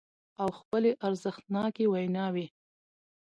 او خپلې ارزښتناکې ويناوې